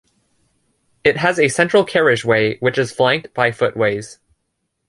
It has a central carriageway, which is flanked by footways.